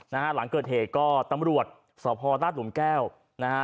นะฮะหลังเกิดเหตุก็ตำรวจสรพรลดลุ้มแก้วนะฮะ